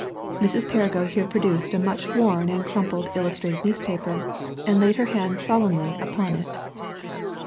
Mrs. Perrigo here produced a much worn and crumpled illustrated newspaper and laid her hand solemnly upon it.